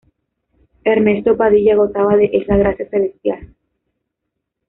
Ernesto Padilla gozaba de esa gracia celestial".